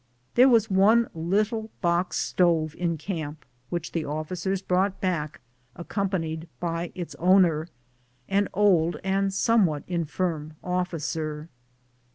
There was one little box stove in camp which the officers brought back, accom panied by its owner, an old and somewhat infirm officer.